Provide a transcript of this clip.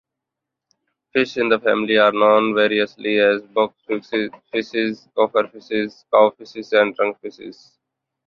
Fish in the family are known variously as boxfishes, cofferfishes, cowfishes and trunkfishes.